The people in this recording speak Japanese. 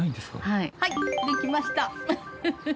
はいできました！